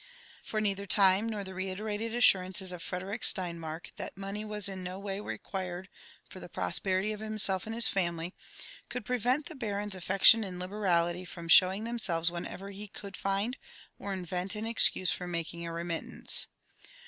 For neither time, nor the reiterated assurances of Frederick Sleinmark, that money was in no way required (or the prosperity of himself and his family, could prevent the baron's afleclion and liberality from sliowtng themselves whenever he eovM find or invent an excuse for making a remittance.